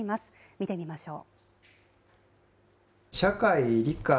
見てみましょう。